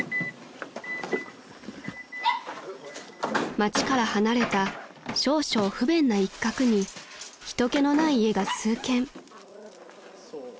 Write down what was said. ［街から離れた少々不便な一角に人けのない家が数軒］